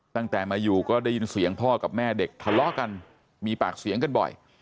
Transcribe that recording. ตั้งแต่มาอยู่ก็ได้ยินเสียงพ่อกับแม่เด็กทะเลาะกันมีปากเสียงกันบ่อย